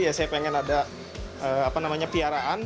ya saya pengen ada apa namanya piaraan